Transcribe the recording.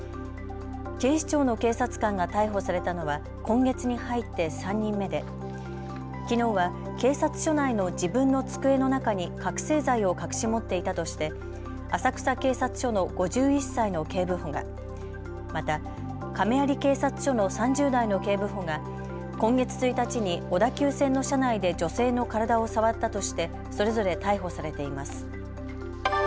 警視庁の警察官が逮捕されたのは今月に入って３人目できのうは警察署内の自分の机の中に覚醒剤を隠し持っていたとして浅草警察署の５１歳の警部補が、また、亀有警察署の３０代の警部補が今月１日に小田急線の車内で女性の体を触ったとしてそれぞれ逮捕されています。